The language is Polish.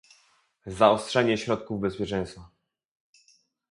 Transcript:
zaostrzenie środków bezpieczeństwa